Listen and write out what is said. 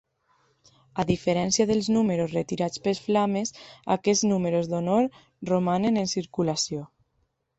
A diferència dels números retirats pels Flames, aquests números d'honor romanen en circulació.